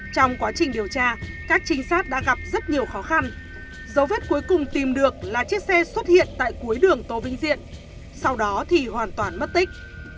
trong quá trình điều tra các trinh sát đã gặp rất nhiều khó khăn dấu vết cuối cùng tìm được là chiếc xe xuất hiện tại cuối đường tô vĩnh diện sau đó thì hoàn toàn mất tích